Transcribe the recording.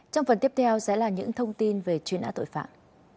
trong phần tiếp theo sẽ là những thông tin về chuyên án tội phạm